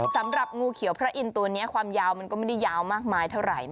สำหรับงูเขียวพระอินทร์ตัวนี้ความยาวมันก็ไม่ได้ยาวมากมายเท่าไหร่